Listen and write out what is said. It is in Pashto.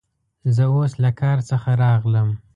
زه اوس له کار څخه راغلم.